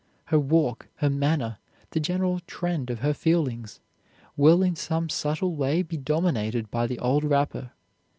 Her walk, her manner, the general trend of her feelings, will in some subtle way be dominated by the old wrapper.